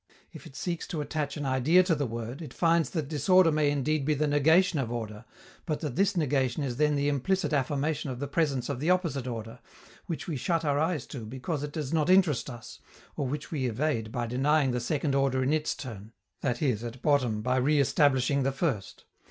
If it seeks to attach an idea to the word, it finds that disorder may indeed be the negation of order, but that this negation is then the implicit affirmation of the presence of the opposite order, which we shut our eyes to because it does not interest us, or which we evade by denying the second order in its turn that is, at bottom, by re establishing the first.